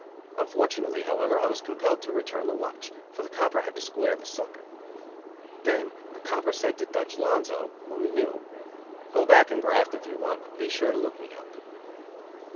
Unfortunately, however, I was compelled to return the watch; for the copper had to "square" the sucker. Then the copper said to Dutch Lonzo, whom he knew: "Go back and graft, if you want, but be sure to look me up."